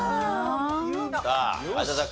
さあ有田さん